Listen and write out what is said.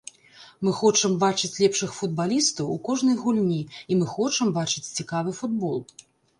Мы хочам бачыць лепшых футбалістаў у кожнай гульні і мы хочам бачыць цікавы футбол.